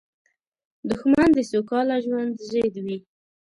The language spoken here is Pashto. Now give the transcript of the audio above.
دښمن د سوکاله ژوند ضد وي